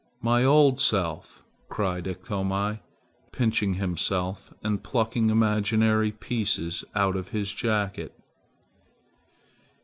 My old self!" cried Iktomi, pinching himself and plucking imaginary pieces out of his jacket.